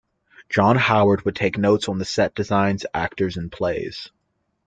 John Howard would take notes on the set designs, actors, and plays.